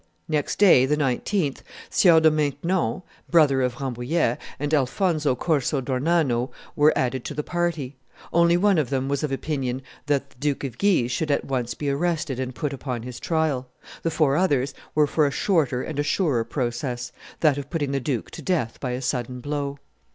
Next day, the 19th, Sieur de Maintenon, brother of Rambouillet, and Alphonso Corso d'Ornano Were added to the party; only one of them was of opinion that the Duke of Guise should at once be arrested and put upon his trial; the four others were for a shorter and a surer process, that of putting the duke to death by a sudden blow.